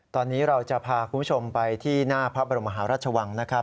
ตอนนี้เราจะพาคุณผู้ชมไปที่หน้าพระบรมหาราชวังนะครับ